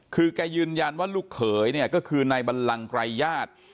คือแกยืนยันว่าลูกเขยเนี่ยก็คือนายบัลลังไกรญาติ